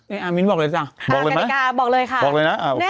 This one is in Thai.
อะมิ้นบอกเลยจ้ะบอกเลยไหมบอกเลยค่ะบอกเลยนะโอเค